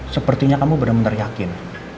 sepertinya kamu bener bener yakin